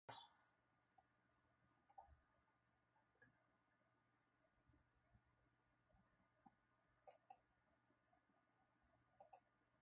Fue jugador de basketball para los Colorado Hawks.